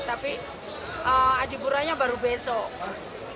tapi adipuranya baru besok